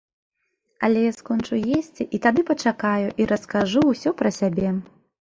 Але я скончу есці і тады пачакаю і раскажу ўсё пра сябе.